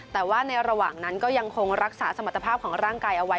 แต่ว่าในระหว่างนั้นก็ยังคงรักษาสมรรถภาพของร่างกายเอาไว้